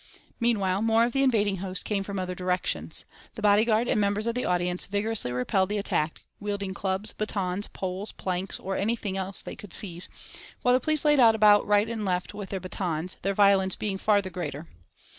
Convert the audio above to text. Meanwhile, more of the invading host came from other directions. The bodyguard and members of the audience vigorously repelled the attack, wielding clubs, batons, poles, planks, or anything they could seize, while the police laid about right and left with their batons, their violence being far the greater.